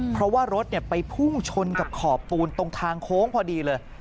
เพราะว่ารถไปพุ่งชนกับขอบปูนตรงทางโค้งพอดีเลย